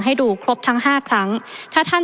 ประเทศอื่นซื้อในราคาประเทศอื่น